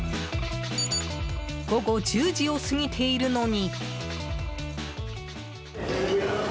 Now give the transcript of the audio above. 午後１０時を過ぎているのに。